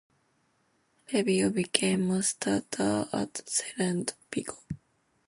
Revivo became a starter at Celta Vigo.